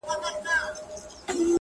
o شپه چي تياره سي ـرڼا خوره سي ـ